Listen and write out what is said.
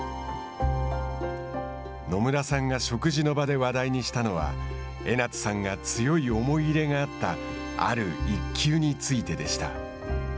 野村さんが食事の場で話題にしたのは江夏さんが強い思い入れがあったある１球についてでした。